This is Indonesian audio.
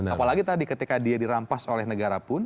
apalagi tadi ketika dia dirampas oleh negara pun